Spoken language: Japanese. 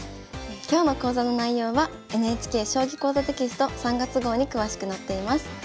今日の講座の内容はＮＨＫ「将棋講座」テキスト３月号に詳しく載っています。